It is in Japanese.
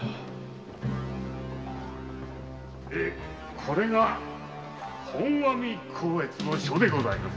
これが本阿弥光悦の書でございます。